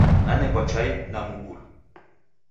Nanekwa chai na mgulu.